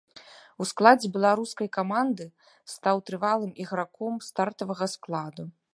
У складзе беларускай каманды стаў трывалым іграком стартавага складу.